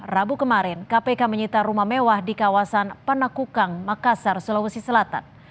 rabu kemarin kpk menyita rumah mewah di kawasan penakukang makassar sulawesi selatan